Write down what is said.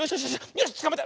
よしつかまえた！